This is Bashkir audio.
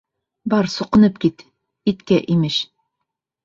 — Бар суҡынып кит, иткә, имеш...